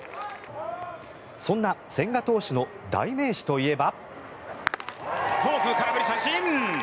そんな千賀投手の代名詞といえば。